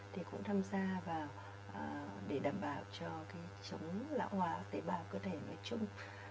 thì cũng tham gia vào để đảm bảo cho cái chống lão hòa tế bào cơ thể nói chung